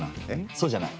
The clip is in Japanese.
そうじゃない。